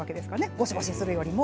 ゴシゴシするよりも。